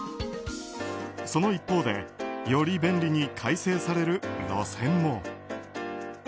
その一方でより便利に改正される路線も。